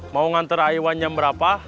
mau ngantar aiwan nyamber apa